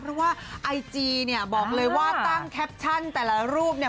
เพราะว่าไอจีเนี่ยบอกเลยว่าตั้งแคปชั่นแต่ละรูปเนี่ย